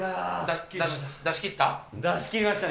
出し切った？